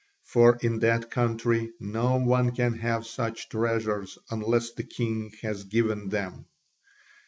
For in that country no one can have such treasures unless the king has given them.